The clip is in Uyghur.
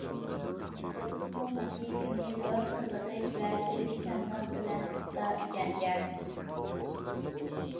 بولۇپمۇ ماتېماتىكىنى زور قىزىقىش ۋە تىرىشچانلىق بىلەن پۇختا ئۆگەنگەن.